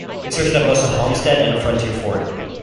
It served as both a homestead and frontier fort.